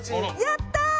やったー！